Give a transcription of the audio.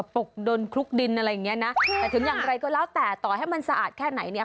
ปลุกโดนคลุกดินอะไรอย่างเงี้ยนะแต่ถึงอย่างไรก็แล้วแต่ต่อให้มันสะอาดแค่ไหนเนี่ย